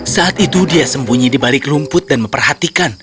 saat itu dia sembunyi di balik rumput dan memperhatikan